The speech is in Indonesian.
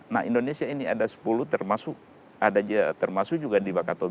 nah indonesia ini ada sepuluh termasuk juga di bakatobi